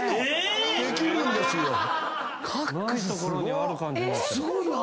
え⁉すごい！